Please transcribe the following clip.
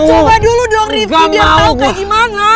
harus dicoba dulu dong rifki biar tau kayak gimana